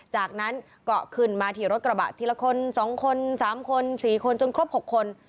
จากนั้นก็ขึ้นมาที่รถกระบะทีละคน๒คน๓คน๔คนจนครบ๖คน